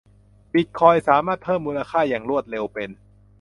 บิตคอยน์สามารถเพิ่มมูลค่าอย่างรวดเร็วเป็น